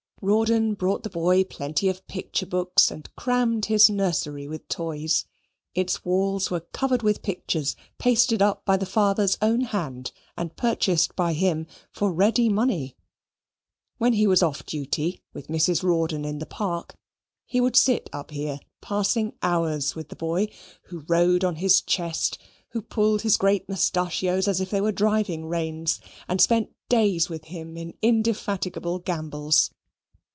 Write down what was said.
Rawdon bought the boy plenty of picture books and crammed his nursery with toys. Its walls were covered with pictures pasted up by the father's own hand and purchased by him for ready money. When he was off duty with Mrs. Rawdon in the park, he would sit up here, passing hours with the boy; who rode on his chest, who pulled his great mustachios as if they were driving reins, and spent days with him in indefatigable gambols.